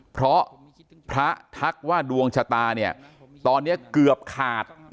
เพราะพระทักว่าดวงชะตาเนี่ยตอนนี้เกือบขาด